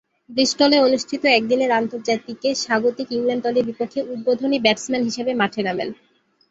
ব্রিস্টলে অনুষ্ঠিত একদিনের আন্তর্জাতিকে স্বাগতিক ইংল্যান্ড দলের বিপক্ষে উদ্বোধনী ব্যাটসম্যান হিসেবে মাঠে নামেন।